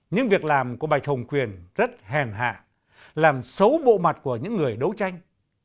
những việc làm của bạch hồng quyền rất hèn hạ làm xấu bộ mặt của những người đấu tranh